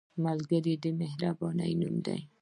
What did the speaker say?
ملګری د مهربانۍ نوم دی